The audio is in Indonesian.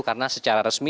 karena secara resmi